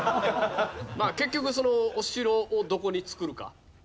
まあ結局お城をどこに造るか。